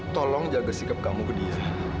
tolong jaga sikap kamu ke dia